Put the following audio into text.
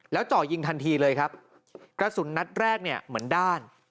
จ่อยิงทันทีเลยครับกระสุนนัดแรกเนี่ยเหมือนด้าน